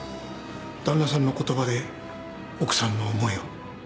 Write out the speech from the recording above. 旦那さんの言葉で奥さんの思いを。